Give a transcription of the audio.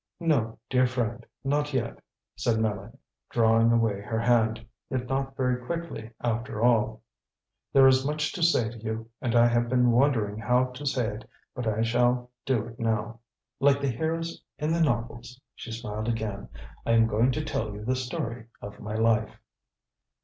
"No, dear friend, not yet," said Mélanie, drawing away her hand, yet not very quickly after all. "There is much yet to say to you, and I have been wondering how to say it, but I shall do it now. Like the heroes in the novels," she smiled again, "I am going to tell you the story of my life."